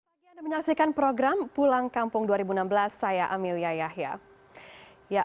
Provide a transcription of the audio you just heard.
bagi anda menyaksikan program pulang kampung dua ribu enam belas saya amelia yahya